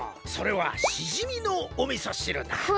それはしじみのおみそしるだ。